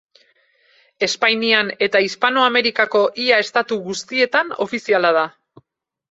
Espainian eta Hispanoamerikako ia estatu guztietan ofiziala da.